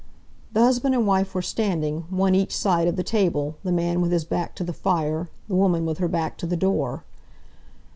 The husband and wife were standing, one each side of the table, the man with his back to the fire, the woman with her back to the door.